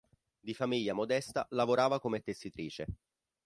Di famiglia modesta, lavorava come tessitrice.